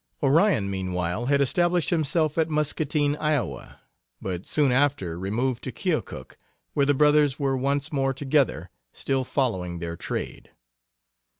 Onion, meanwhile, had established himself at Muscatine, Iowa, but soon after removed to Keokuk, where the brothers were once more together, till following their trade.